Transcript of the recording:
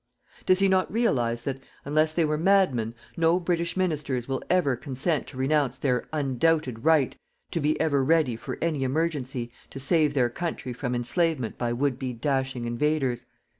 Does he not realize that, unless they were madmen, no British ministers will ever consent to renounce their "UNDOUBTED RIGHT" to be ever ready for any emergency, to save their country from enslavement by would be dashing invaders?